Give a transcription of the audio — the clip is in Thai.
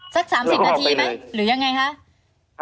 สัก๓๐นาทีไหมหรือยังไงคะ